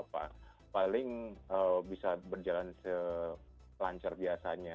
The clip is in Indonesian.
maksudnya lagi mereka memang paling bisa berjalan selancar biasanya